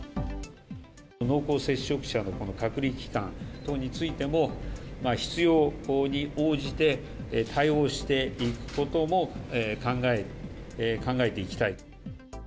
濃厚接触者の隔離期間等についても、必要に応じて対応していくことも考えていきたい。